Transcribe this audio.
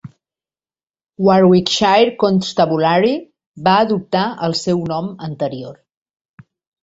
Warwickshire Constabulary va adoptar el seu nom anterior.